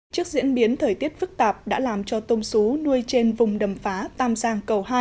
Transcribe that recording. trước diễn biến thời tiết phức tạp đã làm cho tôm sú nuôi trên vùng đầm phá tam giang cầu hai